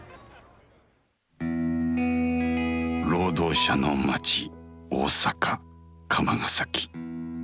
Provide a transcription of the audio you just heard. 労働者の街大阪釜ヶ崎。